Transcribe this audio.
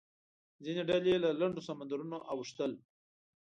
ځینې ډلې له لنډو سمندرونو اوښتل.